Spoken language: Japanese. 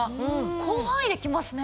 広範囲できますね。